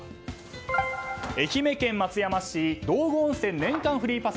愛媛県松山市道後温泉年間フリーパス。